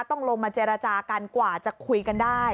ต้องลงมาเจรจากันกว่าจะคุยกันได้